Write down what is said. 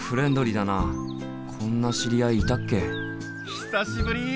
久しぶり！